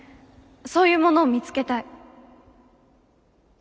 そういうものを見つけたい。